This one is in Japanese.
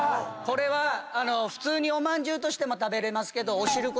普通におまんじゅうとしても食べれますけど。